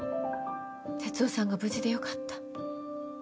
哲雄さんが無事でよかった。